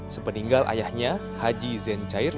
sepeninggal ayahnya haji zencair